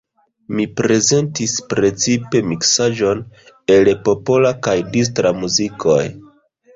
Li prezentis precipe miksaĵon el popola kaj distra muzikoj.